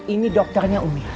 ini dokternya umi